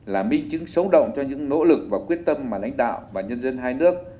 là minh chứng xấu động cho những nỗ lực và quyết tâm mà lãnh đạo và nhân dân hai nước